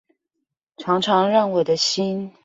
常常讓我的心